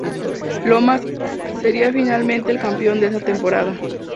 Lomas sería finalmente el campeón de esa temporada.